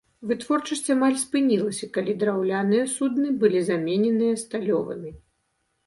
Вытворчасць амаль спынілася, калі драўляныя судны былі замененыя сталёвымі.